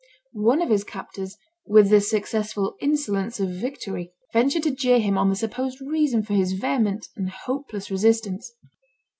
One of his captors, with the successful insolence of victory, ventured to jeer him on the supposed reason for his vehement and hopeless resistance.